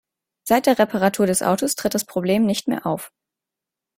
Seit der Reparatur des Autos tritt das Problem nicht mehr auf.